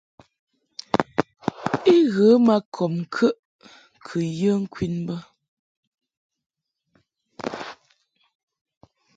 I ghə ma kɔb ŋkəʼ kɨ yə ŋkwin bə.